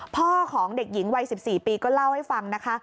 พ่อของเด็กหญิงวัย๑๔ปีก็เล่าให้ฟังนะคะ